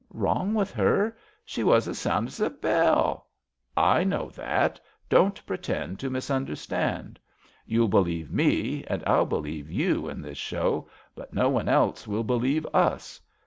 Wrong with her! She was as sound as a bell "I know that. Don't pretend to mis jmderstand. You'll believe me, and I'll believe t/ou in this show; but no one else will believe us.